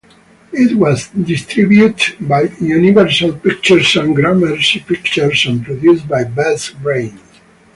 It was distributed by Universal Pictures and Gramercy Pictures and produced by Best Brains.